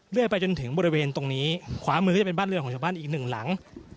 ไปจนถึงบริเวณตรงนี้ขวามือก็จะเป็นบ้านเรือของชาวบ้านอีกหนึ่งหลัง